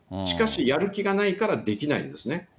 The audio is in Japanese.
しかし、やる気がないからできないんですね。